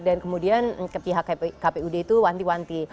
dan kemudian pihak kpud itu wanti wanti